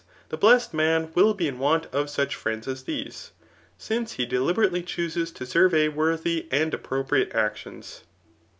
^ Messed man will be in want of such fneftd^ ifs, jibefe, since he deliberately chooses to survey worthy s^, ap propriate actions.